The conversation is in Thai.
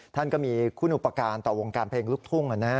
ท่านก็มีคุณอุปการณ์ต่อวงการเพลงลูกทุ่ง